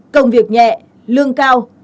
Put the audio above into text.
công việc nhẹ lương cao